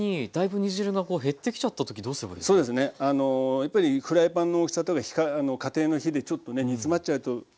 やっぱりフライパンの大きさとか家庭の火でちょっとね煮詰まっちゃうと思うんですね。